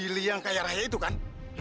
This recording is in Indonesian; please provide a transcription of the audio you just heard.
pilih yang kaya raya itu kan